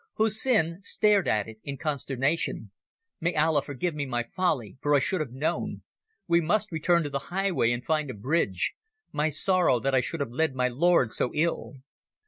Hussin stared at it in consternation. "May Allah forgive my folly, for I should have known. We must return to the highway and find a bridge. My sorrow, that I should have led my lords so ill."